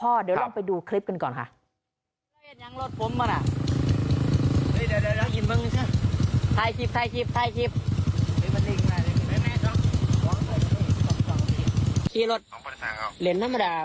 เดี๋ยวลองไปดูคลิปกันก่อนค่ะ